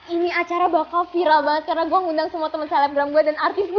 ini acara bakal viral banget karena gue ngundang semua temen selebgram gue dan artismu